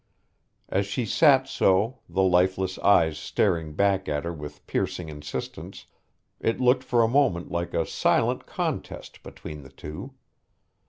As she sat so, the lifeless eyes staring back at her with piercing insistence, it looked for a moment like a silent contest between the two.